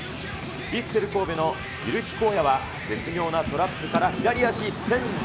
ヴィッセル神戸のゆるきこうやは、絶妙なトラップから左足一せん。